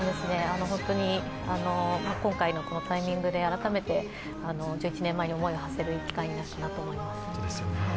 本当に今回のタイミングで改めて１１年前に思いを馳せる、いい機会になったと思います。